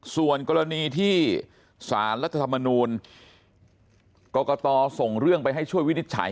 ส่วนกรณีที่สารรัฐธรรมนูลกรกตส่งเรื่องไปให้ช่วยวินิจฉัย